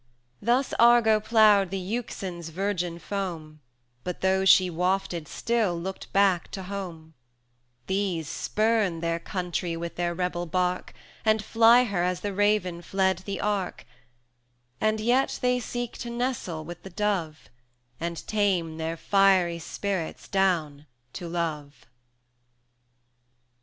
Thus Argo ploughed the Euxine's virgin foam,[ff] But those she wafted still looked back to home; 230 These spurn their country with their rebel bark, And fly her as the raven fled the Ark; And yet they seek to nestle with the dove, And tame their fiery spirits down to Love.